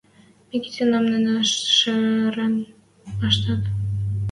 Микитӓнӓм нӹнӹ шӹрен ӓштӓт